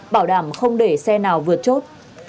bảo đảm không để xe nào vượt chốt